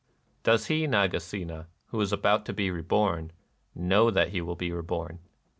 " Does he, Nagasena, who is about to be reborn, know that he will be reborn